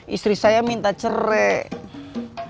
istri saya minta cerai